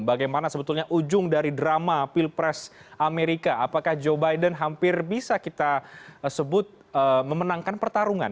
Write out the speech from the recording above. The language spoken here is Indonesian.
bagaimana sebetulnya ujung dari drama pilpres amerika apakah joe biden hampir bisa kita sebut memenangkan pertarungan